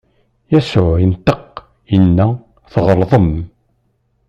Yasuɛ inṭeq, inna: Tɣelḍem!